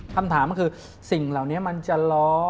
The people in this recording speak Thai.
คำถามก็คือสิ่งเหล่านี้มันจะล้อ